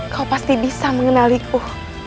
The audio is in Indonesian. kau pasti bisa mengenaliku